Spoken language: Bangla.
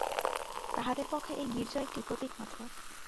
তাহাদের পক্ষে এই গির্জা একটি প্রতীকমাত্র।